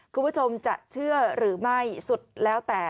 คุณผู้ชมจะเชื่อหรือไม่สุดแล้วแต่